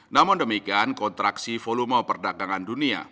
namun demikian kontraksi volume perdagangan dunia